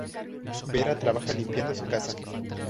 Vera trabaja limpiando su casa.